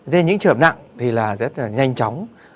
thế những trường hợp nặng thì rất là nhanh chóng